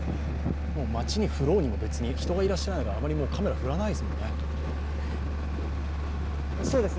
もう町に振ろうにも、人がいらっしゃらないからあまりカメラ、振らないですもんね